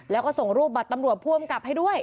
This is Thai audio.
แล้วก็ส่งรูปบัตรตำรวจผู้อำกับให้ด้วย